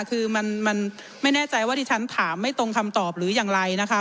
คือมันไม่แน่ใจว่าที่ฉันถามไม่ตรงคำตอบหรืออย่างไรนะคะ